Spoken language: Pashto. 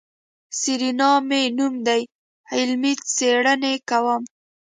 سېرېنا مې نوم دی علمي څېړنې کوم.